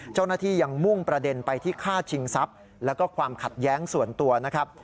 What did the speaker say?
เจ้าหน้าที่ยังมุ่งประเด็นไปที่ฆ่าชิงทรัพย์แล้วก็ความขัดแย้งส่วนตัวนะครับ